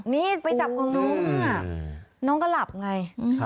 นี่ไปจับของน้องน้องก็หลับไง